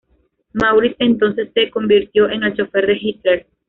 Maurice entonces se convirtió en el chófer de Hitler.